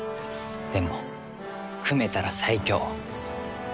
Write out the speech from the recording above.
でも組めたら最強。